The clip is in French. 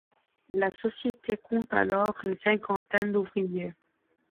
La société compte alors une cinquantaine d’ouvriers.